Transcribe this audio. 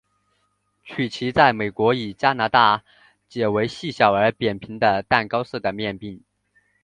曲奇在美国与加拿大解为细小而扁平的蛋糕式的面饼。